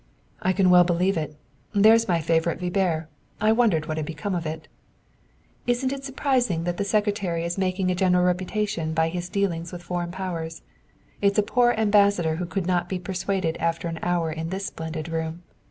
"I can well believe it. There's my favorite Vibert, I wondered what had become of it." "It isn't surprising that the Secretary is making a great reputation by his dealings with foreign powers. It's a poor ambassador who could not be persuaded after an hour in this splendid room.